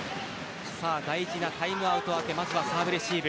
大事なタイムアウト明けまずはサーブレシーブ。